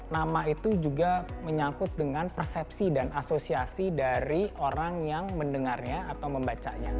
nama itu juga menyangkut dengan persepsi dan asosiasi dari orang yang mendengarnya atau membacanya